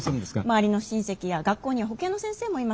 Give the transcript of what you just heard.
周りの親戚や学校には保健の先生もいます。